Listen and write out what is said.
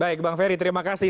baik bang ferry terima kasih